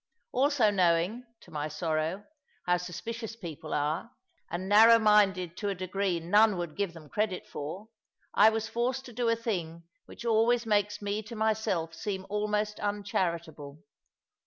Also knowing, to my sorrow, how suspicious people are, and narrow minded to a degree none would give them credit for, I was forced to do a thing which always makes me to myself seem almost uncharitable.